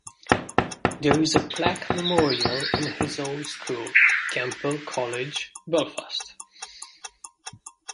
There is a plaque memorial in his old school, Campbell College, Belfast.